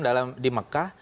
dalam di mekah